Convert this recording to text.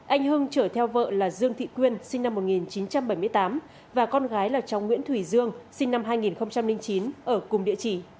anh hưng chở theo vợ là dương thị quyên sinh năm một nghìn chín trăm bảy mươi tám và con gái là cháu nguyễn thủy dương sinh năm hai nghìn chín ở cùng địa chỉ